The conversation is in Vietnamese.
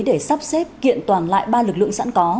để sắp xếp kiện toàn lại ba lực lượng sẵn có